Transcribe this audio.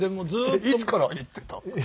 えっいつから言ってた？